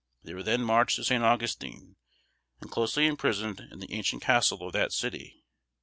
They were then marched to San Augustine, and closely imprisoned in the ancient castle of that city.